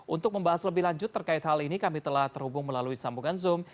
untuk membahas lebih lanjut terkait hal ini kami telah terhubung melalui sambungan zoom